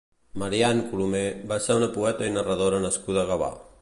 Marian Colomé va ser un poeta i narrador nascut a Gavà.